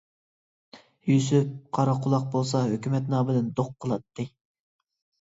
يۈسۈپ قارا قۇلاق بولسا ھۆكۈمەت نامىدىن دوق قىلاتتى.